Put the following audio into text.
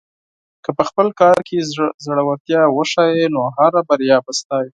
که په خپل کار کې زړۀ ورتیا وښیې، نو هره بریا به ستا وي.